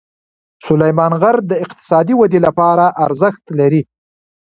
سلیمان غر د اقتصادي ودې لپاره ارزښت لري.